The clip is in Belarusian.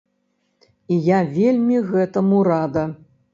І я вельмі гэтаму рада.